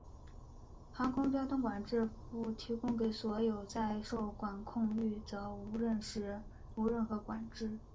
航空交通管制服务提供给所有在受管空域则无任何管制。